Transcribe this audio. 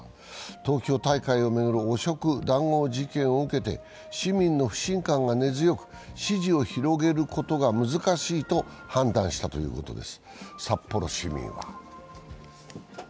東京大会を巡る汚職・談合事件を受けて市民の不信感が根強く、支持を広げることが難しいと判断したということです。